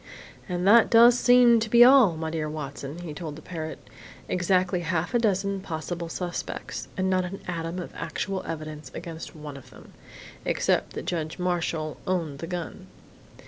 "And that does seem to be all, 'my dear Watson'," he told the parrot. "Exactly half a dozen possible suspects, and not an atom of actual evidence against one of them except that Judge Marshall owned the gun.